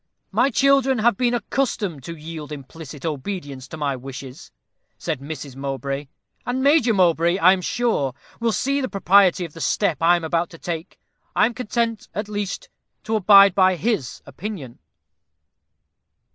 "My children have been accustomed to yield implicit obedience to my wishes," said Mrs. Mowbray, "and Major Mowbray, I am sure, will see the propriety of the step I am about to take. I am content, at least, to abide by his opinion."